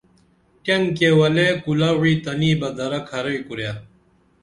ٹینگ کیولے کُلہ وعی تنی بہ درہ کھرعی کُرے